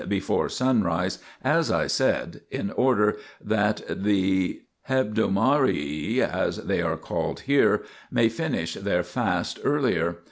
before sunrise, as I said, in order that the hebdomadarii, as they are called here, may finish their fast earlier.